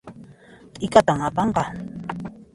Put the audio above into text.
T'ikatan apanqa